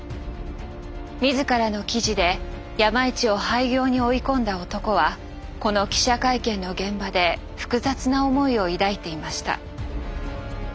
自らの記事で山一を廃業に追い込んだ男はこの記者会見の現場で複雑な思いを抱いていました。